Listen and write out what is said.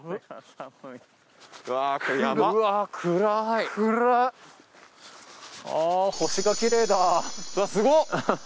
うわすごっ！